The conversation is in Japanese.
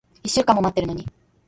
一週間も待ってるのに。